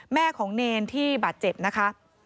แม่ของเนรที่บาดเจ็บนะคะ